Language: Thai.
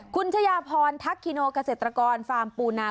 คุณชยพรทักขิโนกาเศรษฐกรฟาร์มปูนา